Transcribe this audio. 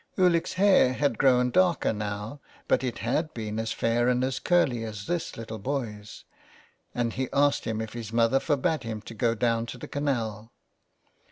Ulick's hair had grown darker now, but it had been as fair and as curly as this little boy's, and he asked him if his mother forbade him to go down to the canal.